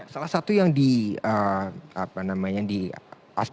salah satu yang di apa namanya di